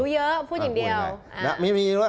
รู้เยอะพูดอย่างเดียว